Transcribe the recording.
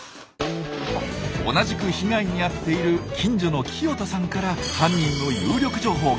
同じく被害に遭っている近所の清田さんから犯人の有力情報が。